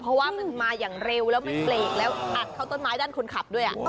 เพราะว่ามันมาอย่างเร็วแล้วมันเบรกแล้วอัดเข้าต้นไม้ด้านคนขับด้วย